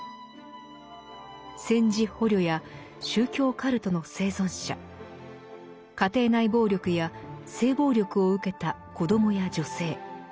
戦時捕虜や宗教カルトの生存者家庭内暴力や性暴力を受けた子供や女性。